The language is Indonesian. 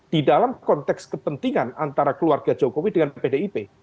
di dalam konteks kepentingan antara keluarga jokowi dengan pdip